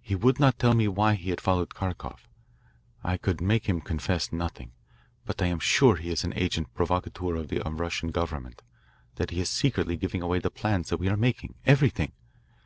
He would not tell me why he had followed Kharkoff. I could make him confess nothing. But I am sure he is an agent provocateur of the Russian government, that he is secretly giving away the plans that we are making, everything.